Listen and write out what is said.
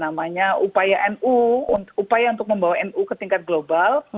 namanya upaya nu upaya untuk membawa nu ke tingkat global